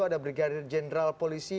ada brigadir jenderal polisi